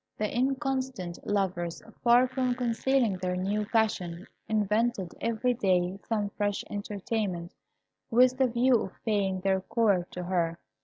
The inconstant lovers, far from concealing their new passion, invented every day some fresh entertainment, with the view of paying their court to her.